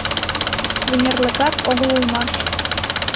Вынерлыкат огыл улмаш